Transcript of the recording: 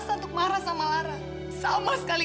tante nggak tahu tadi sih di belakang